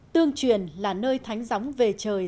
tương truyền là nơi thánh gióng về trời